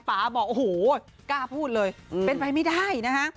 ป่าบอกโอ้โหกล้าพูดเลยเป็นไปไม่ได้นะฮะ